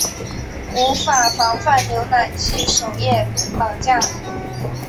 无法防范浏览器首页绑架。